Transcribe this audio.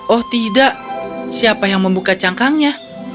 oh tidak siapa yang membuka cangkangnya